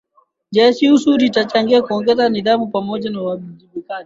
Jeshi Usu litachangia kuongeza nidhamu pamoja na uwajibikaji